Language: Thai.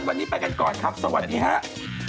สวัสดีครับสวัสดีครับ